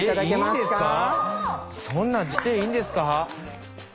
そんなんしていいんですか？